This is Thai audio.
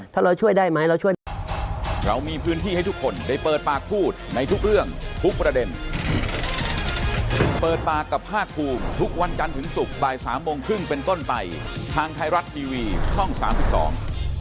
ถ้าเราช่วยได้ไหมเราช่วยดีกว่า